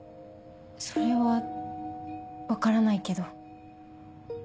それは分からないけど。